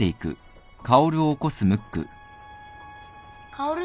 薫。